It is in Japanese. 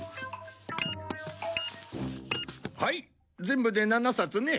はい全部で７冊ね。